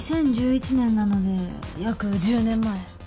２０１１年なので約１０年前。